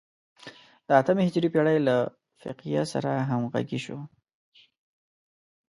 د اتمې هجري پېړۍ له فقیه سره همغږي شو.